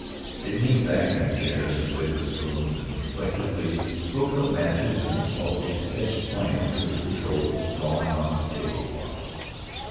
They leaned back in their chairs and played with spoons and reflectively broke up matches and volubly sketched plans of controls, drawing on the table cloth.